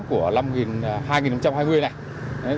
của năm hai nghìn hai mươi này